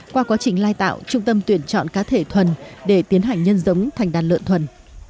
qua quá trình lai tạo trung tâm tuyển chọn cá thể thuần để tiến hành nhân giống thành đàn lợn thuần